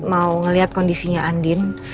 mau ngeliat kondisinya andin